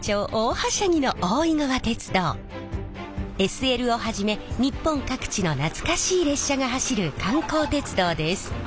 ＳＬをはじめ日本各地の懐かしい列車が走る観光鉄道です。